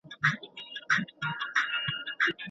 د ځوانانو احساسات ژر بدلیږي.